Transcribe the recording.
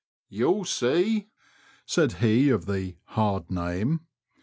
You'll see !" said he of the hard name."